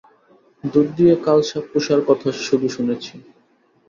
দুধ দিয়ে কালসাণ পোষার কথা শুধু শুনেছি।